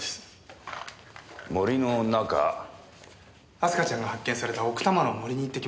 明日香ちゃんが発見された奥多摩の森に行ってきます。